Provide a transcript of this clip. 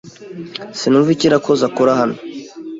Sinumva icyo Irakoze akora hano.